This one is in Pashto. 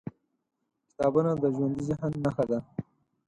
کتابونه د ژوندي ذهن نښه ده.